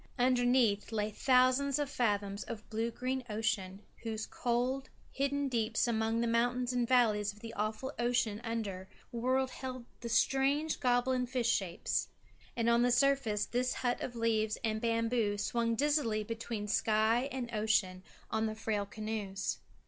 Underneath lay thousands of fathoms of blue green ocean, whose cold, hidden deeps among the mountains and valleys of the awful ocean under world held strange goblin fish shapes. And on the surface this hut of leaves and bamboo swung dizzily between sky and ocean on the frail canoes.